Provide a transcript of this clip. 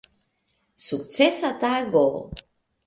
Sukcesa tago!